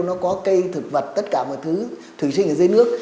nó có cây thực vật tất cả mọi thứ thường sinh ở dưới nước